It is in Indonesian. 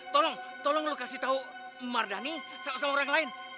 tolong tolong lu kasih tau mardhani sama orang lain